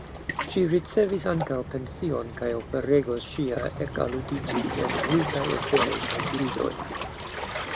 Ŝi ricevis ankaŭ pension kaj oferego ŝia ekalluditis en multaj eseoj kaj bildoj.